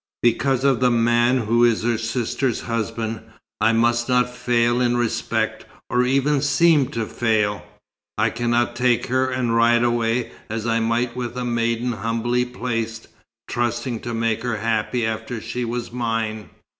Because of the man who is her sister's husband, I must not fail in respect, or even seem to fail. I cannot take her and ride away, as I might with a maiden humbly placed, trusting to make her happy after she was mine.